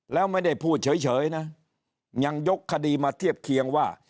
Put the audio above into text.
แล้วไม่ได้พูดเฉยนะยังยกคดีมาเทียบเคียงว่า